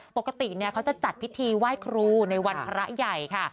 ปกติเขาจะจัดพิธีไหว้ครูในวันพระใหญ่ค่ะ